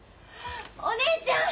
お姉ちゃん！